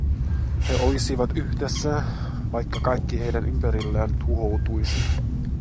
He olisivat yhdessä, vaikka kaikki heidän ympärillään tuhoutuisi.